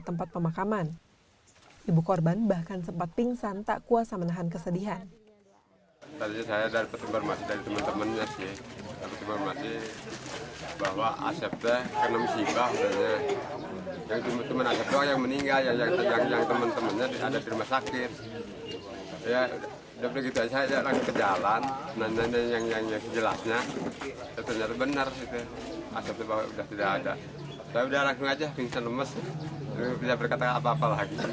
tempat pemakaman ibu korban bahkan sempat pingsan tak kuasa menahan kesedihan tadi saya